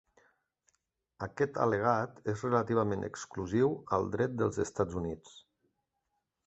Aquest al·legat és relativament exclusiu al dret dels Estats Units.